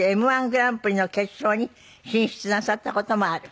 Ｍ−１グランプリの決勝に進出なさった事もある。